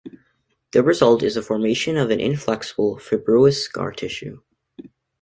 The result is the formation of an inflexible, fibrous scar tissue.